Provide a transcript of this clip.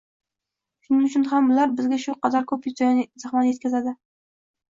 Shuning uchun ham ular bizga shu qadar ko‘p ziyon-zahmat yetkazadi.